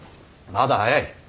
まだ早い。